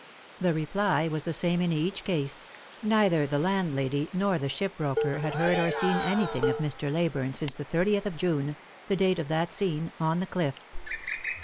The reply was the same in each case ; neither the landlady nor the shipbroker had heard or seen anything of Mr. Leyburne since the 30th of June — the date of that scene on the cliff.